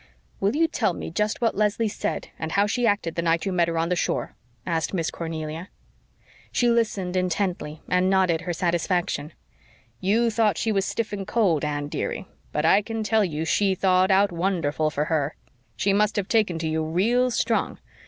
"Will you tell me just what Leslie said and how she acted the night you met her on the shore?" asked Miss Cornelia. She listened intently and nodded her satisfaction. "YOU thought she was stiff and cold, Anne, dearie, but I can tell you she thawed out wonderful for her. She must have taken to you real strong.